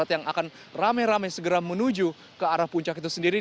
yang akan rame rame segera menuju ke arah puncak itu sendiri